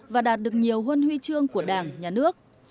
và đạt được nhiều huân huy trương của đảng nhà nước